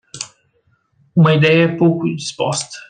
Uma ideia pouco disposta